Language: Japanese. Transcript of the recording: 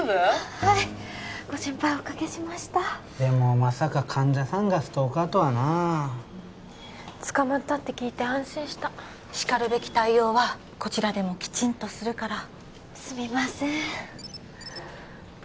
はいご心配おかけしましたでもまさか患者さんがストーカーとはな捕まったって聞いて安心したしかるべき対応はこちらでもきちんとするからすみません